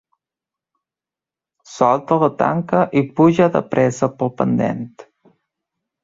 Salta la tanca i puja de pressa pel pendent.